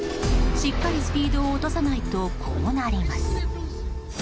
しっかりスピードを落とさないとこうなります。